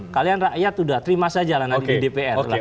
kalian rakyat udah terima saja lah nanti di dpr